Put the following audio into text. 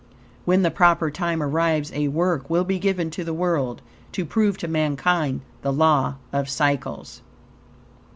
When the proper time arrives, a work will be given to the world to prove to mankind the law of cycles.